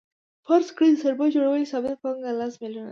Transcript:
فرض کړئ د څرمن جوړونې ثابته پانګه لس میلیونه ده